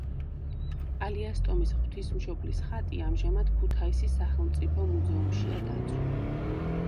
პალიასტომის ღვთისმშობლის ხატი ამჟამად ქუთაისის სახელმწიფო მუზეუმშია დაცული.